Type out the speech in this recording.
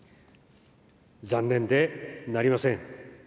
残念でなりません。